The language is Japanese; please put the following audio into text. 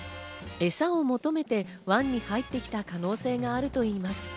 エサを求めて湾に入ってきた可能性があるといいます。